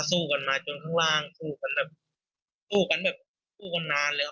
สู้กันมาจนทั้งล่างสู้กันแบบสู้กันนานเลยค่ะ